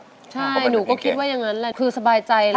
ใช่หนูก็คิดว่าอย่างนั้นแหละคือสบายใจแล้ว